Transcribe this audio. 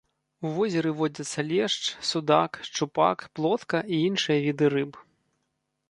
У возеры водзяцца лешч, судак, шчупак, плотка і іншыя віды рыб.